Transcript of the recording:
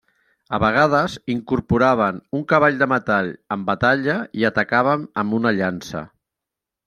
A vegades incorporaven un cavall de metall en batalla i atacaven amb una llança.